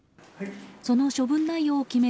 その処分内容を決める